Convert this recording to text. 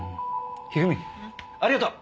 一二三ありがとう。